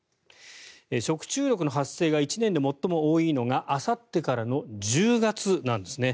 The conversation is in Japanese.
食中毒の発生が１年で最も多いのがあさってからの１０月なんですね。